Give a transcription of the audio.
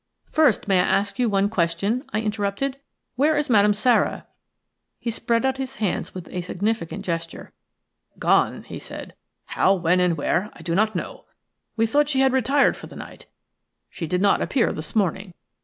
"First, may I ask one question?" I interrupted. "Where is Madame Sara?" He spread out his hands with a significant gesture. "Gone," he said. "How, when, and where I do not know. We thought she had retired for the night. She did not appear this morning.